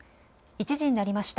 １時になりました。